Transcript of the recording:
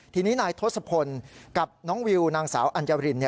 ทีนี้นายทศพลกับน้องวิวนางสาวอัญญาริน